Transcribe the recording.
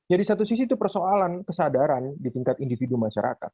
jadi satu sisi itu persoalan kesadaran di tingkat individu masyarakat